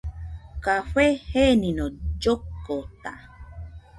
Café jenino llokota